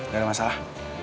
gak ada masalah